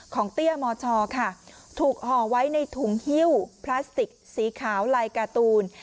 เตี้ยมชค่ะถูกห่อไว้ในถุงฮิ้วพลาสติกสีขาวลายการ์ตูน